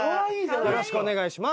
「よろしくお願いします！」